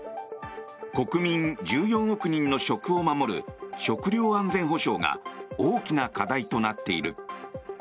国民１４億人の食を守る食料安全保障が大きな課題となっている。